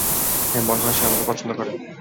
হ্যাঁ, মনেহয় সে আমাকে পছন্দ করে।